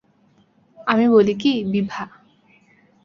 আমি বলি কি– বিভা।